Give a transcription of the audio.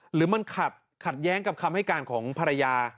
หรือมันขัดแย้งกับคำให้การของภรรยา